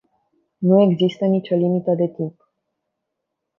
Nu există nici o limită de timp.